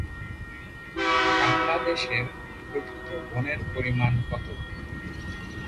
বাংলাদেশের প্রকৃত বনের পরিমাণ কত?